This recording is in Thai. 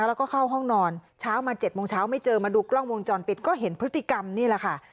แล้วก็เข้าห้องนอนเช้ามา๗โมงเช้าไม่เจอมาดูกล้องวงจรปิดก็เห็นพฤติกรรมนี่แหละค่ะ